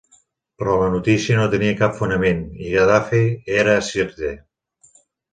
Però la notícia no tenia cap fonament i Gaddafi era a Sirte.